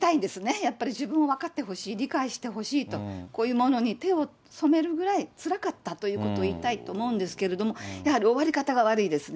やっぱり自分を分かってほしい、理解してほしいと、こういうものに手を染めるぐらいつらかったということを言いたいと思うんですけれども、やはり終わり方が悪いですね。